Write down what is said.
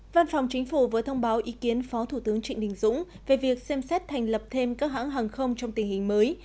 văn phòng chính phủ vừa thông báo ý kiến phó thủ tướng trịnh đình dũng về việc xem xét thành lập thêm các hãng hàng không trong tình hình mới